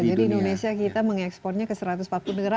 jadi indonesia kita mengekspornya ke satu ratus empat puluh negara